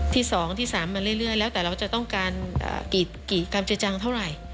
ที่๒ที่๓มาเรื่อยแล้วแต่เราจะต้องการกี่กรรมจะจังเท่าไหร่